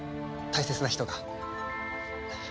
大切な人が。